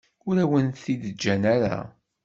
Ur awen-t-id-ǧǧan ara.